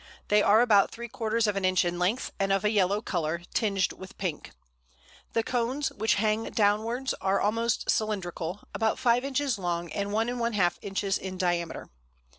They are about three quarters of an inch in length, and of a yellow colour, tinged with pink. The cones, which hang downwards, are almost cylindrical, about 5 inches long and 1½ inches in diameter.